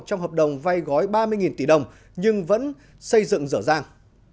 trong hợp đồng vay gói ba mươi tỷ đồng nhưng vẫn xây dựng dở dàng